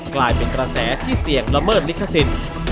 กลายเป็นกระแสที่เสี่ยงละเมิดลิขสิทธิ์